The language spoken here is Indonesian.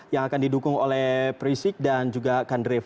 yang akan didukung oleh perisic dan juga kandreva